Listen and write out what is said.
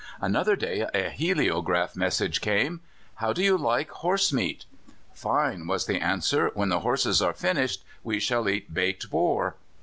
Another day a heliograph message came: "How do you like horse meat?" "Fine," was the answer, "When the horses are finished we shall eat baked Boer!"